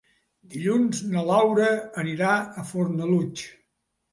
Dilluns na Laura anirà a Fornalutx.